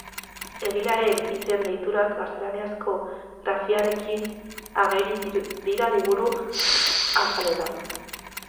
Egilearen izen-deiturak gaztelaniazko grafiarekin ageri dira liburu azalean.